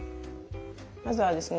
まずはですね